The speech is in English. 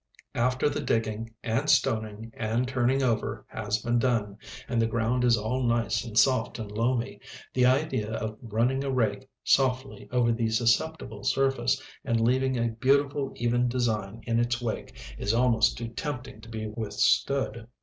After the digging, and stoning, and turning over has been done, and the ground is all nice and soft and loamy, the idea of running a rake softly over the susceptible surface and leaving a beautiful even design in its wake, is almost too tempting to be withstood.